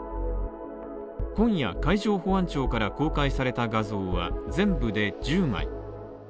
今夜、海上保安庁から公開された画像は全部で１０枚。